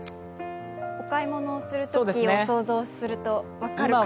お買い物をするときを想像すると分かるかもしれない。